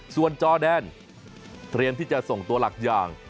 ส่วนจอแดนเตรียมที่จะส่งตัวหลักอย่าง